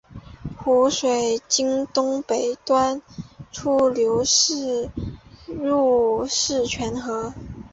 湖水经东北端出流泄入狮泉河。